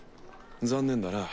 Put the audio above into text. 残念だな